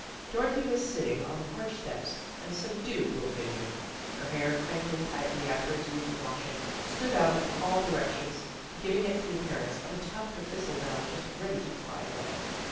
Dorothy was sitting on the porch steps, a subdued little figure. Her hah 1 , crinkling tightly after its recent washing, stood out in all direc tions, giving it the appearance of a tuft of thistle down just ready to fly away.